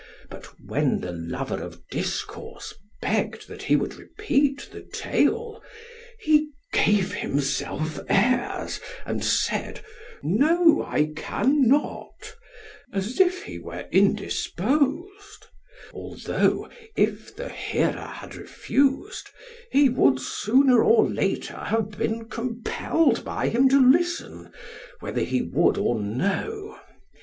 But when the lover of discourse begged that he would repeat the tale, he gave himself airs and said, 'No I cannot,' as if he were indisposed; although, if the hearer had refused, he would sooner or later have been compelled by him to listen whether he would or no.